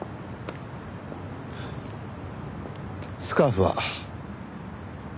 スカーフは？